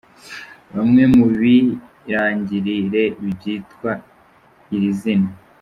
Bamwe mu birangirire bitwa iri zina.